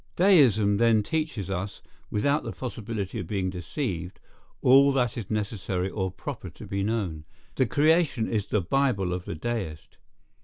Deism then teaches us, without the possibility of being deceived, all that is necessary or proper to be known. The creation is the Bible of the deist.